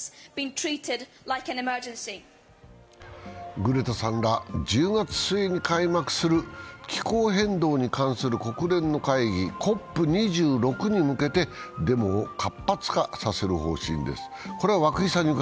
グレタさんらは、１０月末に開幕する気候変動に関する国連の会議、ＣＯＰ２６に向けてデモを活発化させる方針です。